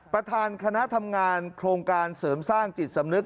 ประธานคณะทำงานโครงการเสริมสร้างจิตสำนึก